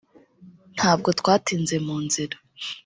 ntabwo twatinze mu nzira